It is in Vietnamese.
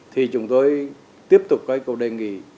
thì chúng tôi tiếp tục đề nghị